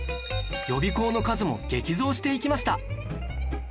予備校の数も激増していきました